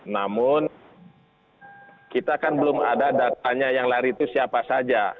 namun kita kan belum ada datanya yang lari itu siapa saja